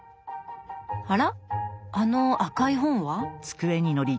あらあの赤い本は？